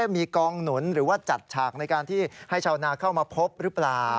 มีกองหนุนหรือว่าจัดฉากในการที่ให้ชาวนาเข้ามาพบหรือเปล่า